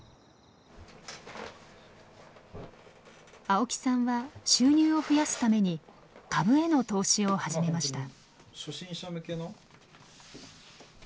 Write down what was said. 青木さんは収入を増やすために株への投資を始めました。